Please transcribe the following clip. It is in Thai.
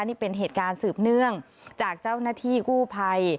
นี่เป็นเหตุการณ์สืบเนื่องจากเจ้าหน้าที่กู้ภัย